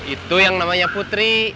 itu yang namanya putri